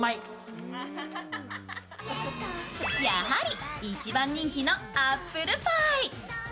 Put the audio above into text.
やはり１番人気のアップルパイ。